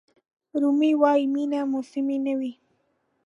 رومي وایي مینه موسمي نه وي.